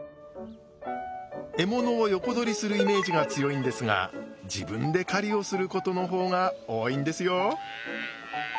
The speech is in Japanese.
獲物を横取りするイメージが強いんですが自分で狩りをすることの方が多いんですよ。